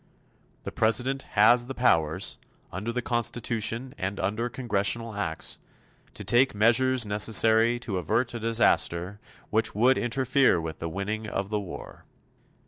The President has the powers, under the Constitution and under Congressional Acts, to take measures necessary to avert a disaster which would interfere with the winning of the war.